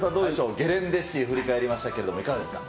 ゲレンデ史、振り返りましたけれども、いかがですか。